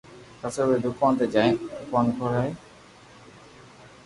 پسو اووي دوڪون تو جائين دوڪون کولوي